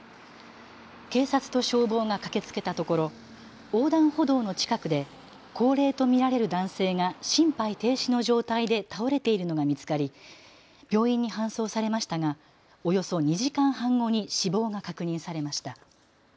警察と消防が駆けつけたところ横断歩道の近くで高齢と見られる男性が心肺停止の状態で倒れているのが見つかり、病院に搬送されましたがおよそ２時間半後に死亡が確認されました。